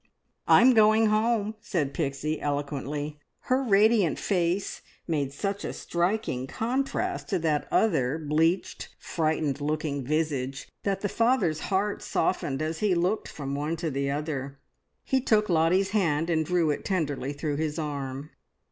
"I'm going home," said Pixie eloquently. Her radiant face made such a striking contrast to that other bleached, frightened looking visage that the father's heart softened as he looked from one to the other. He took Lottie's hand and drew it tenderly through his arm.